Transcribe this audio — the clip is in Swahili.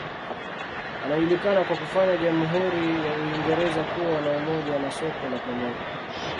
Anajulikana kwa kufanya jamhuri ya Uingereza kuwa na umoja na soko la pamoja.